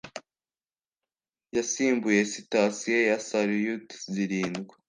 yasimbuye sitasiyo ya Salyut zirindwa